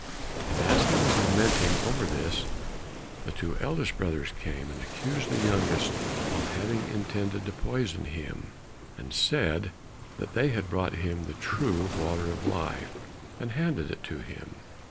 And as he was lamenting over this, the two eldest brothers came, and accused the youngest of having intended to poison him, and said that they had brought him the true water of life, and handed it to him.